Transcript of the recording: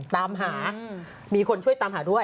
ตามหามีคนช่วยตามหาด้วย